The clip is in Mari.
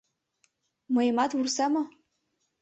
— Мыйымат вурса мо?